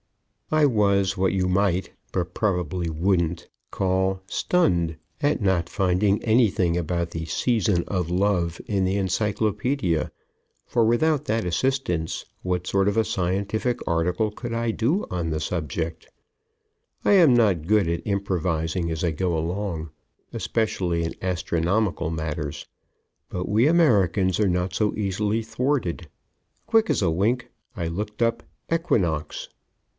I was what you might, but probably wouldn't, call stunned at not finding anything about the Season of Love in the encyclopedia, for without that assistance what sort of a scientific article could I do on the subject? I am not good at improvising as I go along, especially in astronomical matters. But we Americans are not so easily thwarted. Quick as a wink I looked up "Equinox."